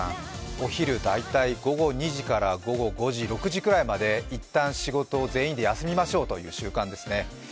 お昼大体午後２時から午後５時、６時ぐらいまでいったん仕事を全員で休みましょうという習慣ですね。